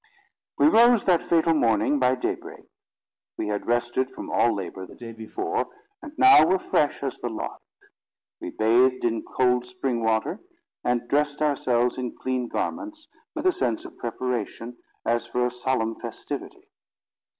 We rose, that fatal morning, by daybreak. We had rested from all labour the day before, and now were fresh as the lark. We bathed in cold spring water, and dressed ourselves in clean garments, with a sense of preparation, as for a solemn festivity.